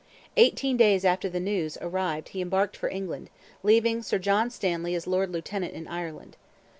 Eighteen days after the news arrived he embarked for England, leaving Sir John Stanley as Lord Lieutenant in Ireland.